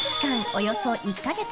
およそ１か月。